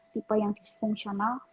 tipe yang disfungsional